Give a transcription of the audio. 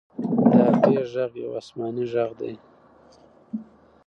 د هغې ږغ یو آسماني ږغ دی.